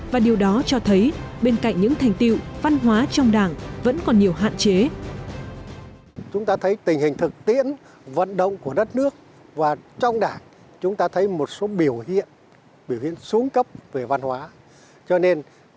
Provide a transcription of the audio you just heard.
và điều đó cho thấy bên cạnh những thành tiệu văn hóa trong đảng vẫn còn nhiều hạn chế